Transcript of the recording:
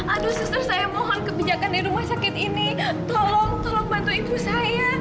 aduh susah saya mohon kebijakan di rumah sakit ini tolong tolong bantu ibu saya